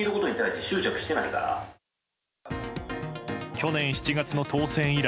去年７月の当選以来